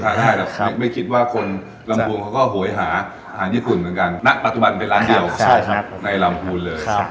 แต่ไม่คิดว่าคนรำพูลเขาก็โหยหาที่คุณเหมือนกันณปัจจุบันเป็นร้านเดียวในรำพูล